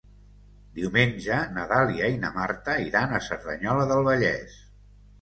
Diumenge na Dàlia i na Marta iran a Cerdanyola del Vallès.